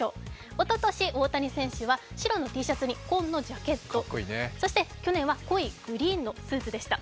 おととし、大谷選手は白のＴシャツに紺のジャケットそして去年は濃いグリーンのスーツでした。